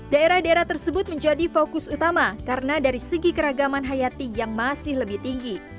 daerah daerah tersebut menjadi fokus utama karena dari segi keragaman hayati yang masih lebih tinggi